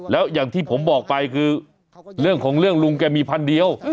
แล้วอย่างที่ผมบอกไปคือเรื่องของเรื่องลุงแกมีพันเดียว